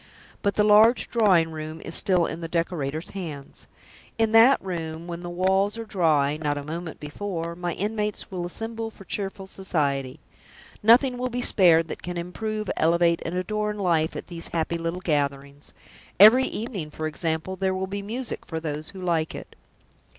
But the large drawing room is still in the decorator's hands. In that room (when the walls are dry not a moment before) my inmates will assemble for cheerful society. Nothing will be spared that can improve, elevate, and adorn life at these happy little gatherings. Every evening, for example, there will be music for those who like it."